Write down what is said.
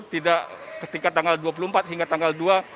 tidak ketika tanggal dua puluh empat hingga tanggal dua